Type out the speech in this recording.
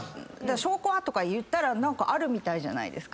証拠は？とか言ったら何かあるみたいじゃないですか。